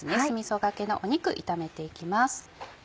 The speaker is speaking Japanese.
酢みそがけの肉炒めて行きます。